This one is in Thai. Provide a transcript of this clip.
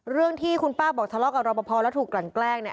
เรื่องที่คุณป้าบอกทะเลาะกับรอปภแล้วถูกกลั่นแกล้งเนี่ย